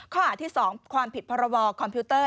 ข้อหาที่๒ความผิดพรบคอมพิวเตอร์